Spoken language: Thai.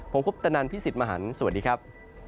ผมคุปตนันพี่สิทธิ์มหันฯสวัสดีครับ